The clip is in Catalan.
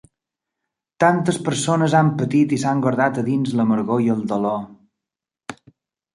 Tantes persones han patit i s'han guardat a dins l'amargor i el dolor.